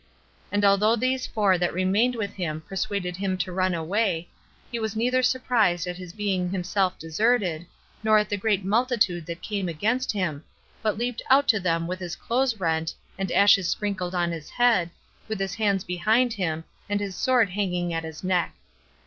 And although those four that remained with him persuaded him to run away, he was neither surprised at his being himself deserted, nor at the great multitude that came against him, but leaped out to them with his clothes rent, and ashes sprinkled on his head, with his hands behind him, and his sword hanging at his neck.